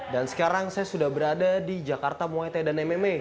dan sekarang saya sudah berada di jakarta muay thai dan mma